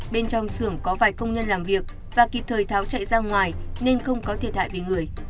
bên trong xưởng có vài công nhân làm việc và kịp thời tháo chạy ra ngoài nên không có thiệt hại về người